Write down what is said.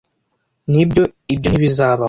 nibyo, ibyo ntibizabaho